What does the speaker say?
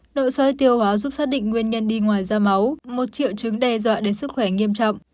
nội soi tiêu hóa giúp xác định nguyên nhân đi ngoài da máu một triệu chứng đe dọa đến sức khỏe nghiêm trọng